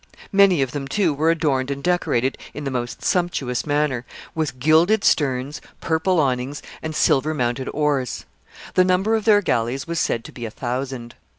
Many of them, too, were adorned and decorated in the most sumptuous manner, with gilded sterns, purple awnings, and silver mounted oars. The number of their galleys was said to be a thousand.